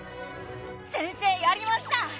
先生やりました！